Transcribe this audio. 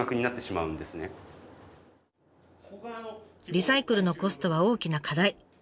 リサイクルのコストは大きな課題。